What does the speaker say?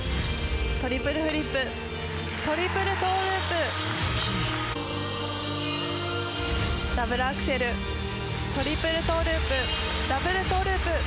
トリプルフリップトリプルトーループ。